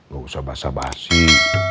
gak usah basah basih